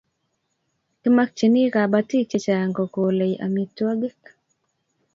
Ki makchini kabatik chechang' ko kole amitwogik